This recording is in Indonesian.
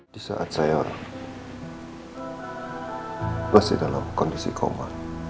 disaat saya masih dalam kondisi koma